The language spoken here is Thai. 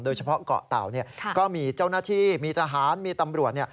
เฉพาะเกาะเต่าก็มีเจ้าหน้าที่มีทหารมีตำรวจ